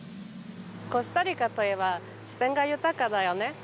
コスタリカといえば自然が豊かだよね。